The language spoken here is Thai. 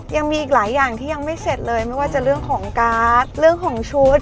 ยังมีอีกหลายอย่างที่ยังไม่เสร็จเลยไม่ว่าจะเรื่องของการ์ดเรื่องของชุด